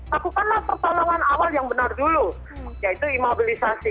lakukanlah pertolongan awal yang benar dulu yaitu imobilisasi